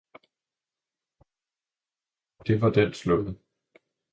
og det var den slået.